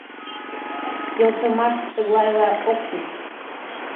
Келшымашышт тыглайла ок чуч.